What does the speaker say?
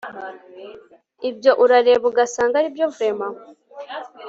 ibyo urareba ugasanga ari byo vraiment